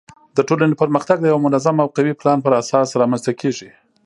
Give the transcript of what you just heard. د ټولنې پرمختګ د یوه منظم او قوي پلان پر اساس رامنځته کیږي.